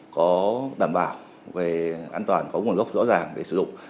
có đảm bảo về an toàn có nguồn gốc rõ ràng để sử dụng